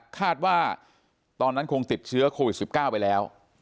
คาดว่าตอนนั้นคงติดเชื้อโควิด๑๙ไปแล้ว